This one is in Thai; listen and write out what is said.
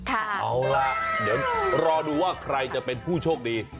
เอาล่ะเดี๋ยวรอดูว่าใครจะเป็นผู้โชคดี